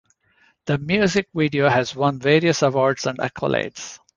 The music video has won various awards and accolades.